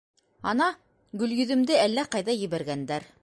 Ана, Гөлйөҙөмдө әллә ҡайҙа ебәргәндәр.